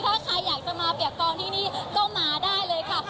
ถ้าใครอยากจะมาเปียกกองที่นี่ก็มาได้เลยค่ะ